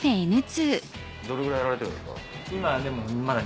どれぐらいやられてるんですか？